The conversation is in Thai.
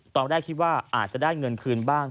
ตอนแรกคิดว่าอาจจะได้เงินคืนบ้าง